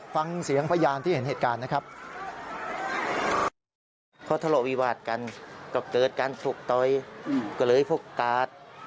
ฟังเสียงพยานที่เห็นเหตุการณ์นะครับ